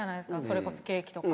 それこそケーキとか。